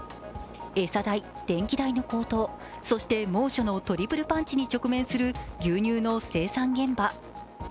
餌代、電気代の高騰、そして猛暑のトリプルパンチに直面する牛乳の生産現場。